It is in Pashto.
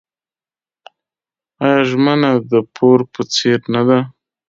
آیا ژمنه د پور په څیر نه ده؟